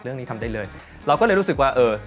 เราก็เลยรู้สึกว่า